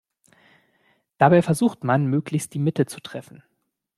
Dabei versucht man, möglichst die Mitte zu treffen.